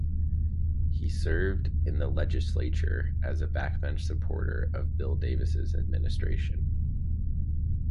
He served in the legislature as a backbench supporter of Bill Davis's administration.